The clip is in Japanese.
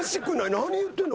何言ってんの？